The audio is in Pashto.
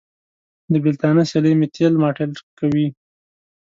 د بېلتانه سیلۍ مې تېل ماټېل کوي.